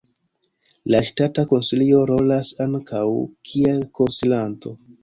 La Ŝtata Konsilio rolas ankaŭ kiel konsilanto.